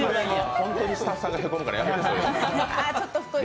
本当にスタッフさんがへこむからやめて。